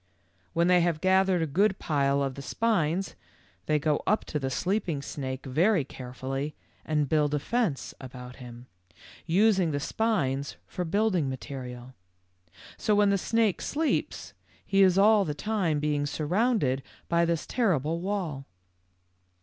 " When they have gathered a good pile of the spines, they go up to the sleeping snake very carefully and build a fence about him, using the spines for building material. So while the snake sleeps, he is all the time being surrounded by this terrible wall.